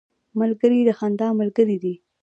ملګری د خندا ملګری دی